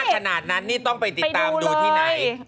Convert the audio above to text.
ขนาดนั้นนี่ต้องไปติดตามดูที่ไหน